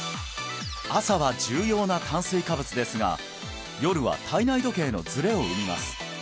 朝は重要な炭水化物ですが夜は体内時計のズレを生みます